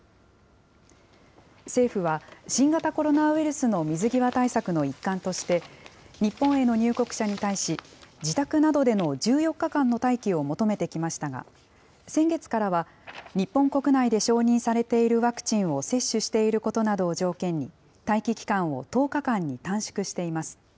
政府は、新型コロナウイルスの水際対策の一環として、日本への入国者に対し、自宅などでの１４日間の待機を求めてきましたが、先月からは、日本国内で承認されているワクチンを接種していることなどを条件に、待機期間を１０日間に短縮しています。